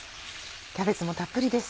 キャベツもたっぷりです。